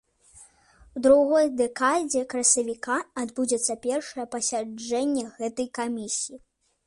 У другой дэкадзе красавіка адбудзецца першае пасяджэнне гэтай камісіі.